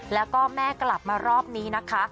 แล้วก็แม่กลับมารอบนี้นะคะ